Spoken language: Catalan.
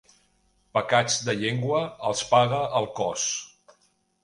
Pecats de llengua, els paga el cos.